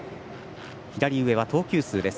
左上は投球数です。